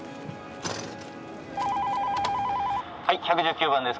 ☎はい１１９番です。